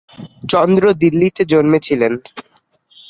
চন্দ্র দিল্লিতে জন্মে ছিলেন।